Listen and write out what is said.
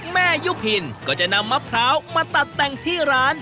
แม่ยุพินก็จะนำมะพร้าวมาตัดแต่งที่ร้าน